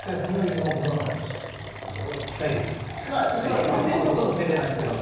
もうほとんど正解なんですけども。